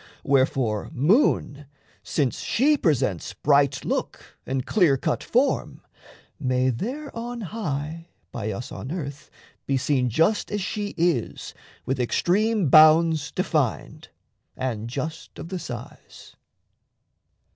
Wherefore, moon, Since she presents bright look and clear cut form, May there on high by us on earth be seen Just as she is with extreme bounds defined, And just of the size.